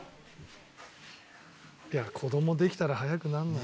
子供できたら早くなるのよ。